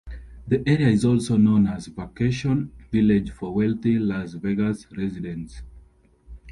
The area is also known as a vacation village for wealthy Las Vegas residents.